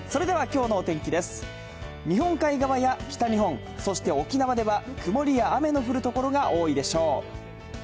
日本海側や北日本、そして沖縄では、曇りや雨の降る所が多いでしょう。